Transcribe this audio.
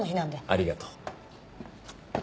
ありがとう。はあ？